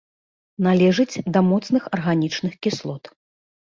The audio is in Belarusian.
Належыць да моцных арганічных кіслот.